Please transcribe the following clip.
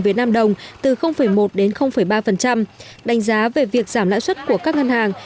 việt nam đồng từ một đến ba đánh giá về việc giảm lãi suất của các ngân hàng